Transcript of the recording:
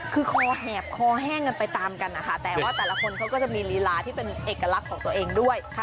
คือคอแหบคอแห้งกันไปตามกันนะคะแต่ว่าแต่ละคนเขาก็จะมีลีลาที่เป็นเอกลักษณ์ของตัวเองด้วย